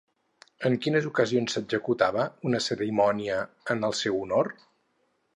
En quines ocasions s'executava una cerimònia en el seu honor?